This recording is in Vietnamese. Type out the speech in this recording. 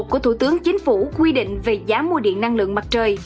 của thủ tướng chính phủ quy định về giá mua điện năng lượng mặt trời